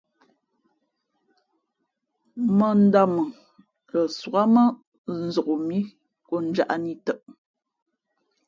Mᾱ ǎ dāmα lα sog ā mά nzok mǐ konjāʼ nǐ tαʼ.